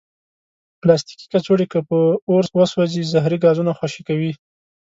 پلاستيکي کڅوړې که په اور وسوځي، زهري ګازونه خوشې کوي.